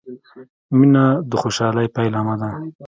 • مینه د خوشحالۍ پیلامه ده.